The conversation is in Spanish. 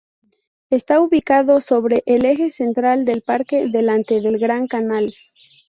Está ubicado sobre el eje central del parque, delante del Gran Canal.